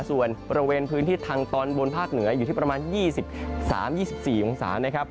ส่วนบริเวณพื้นที่ทางตอนบนภาคเหนืออยู่ที่ประมาณ๒๓๒๔องศานะครับ